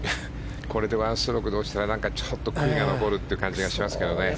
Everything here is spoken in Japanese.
これで１ストローク落としたらちょっと悔いが残る感じがしますけどね。